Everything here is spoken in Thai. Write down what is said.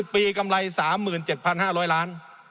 ปีกำไร๓๗๕๐๐ล้าน